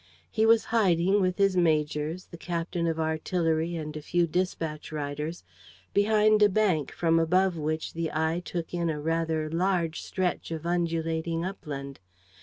He was hiding, with his majors, the captain of artillery and a few dispatch riders, behind a bank from above which the eye took in a rather large stretch of undulating upland.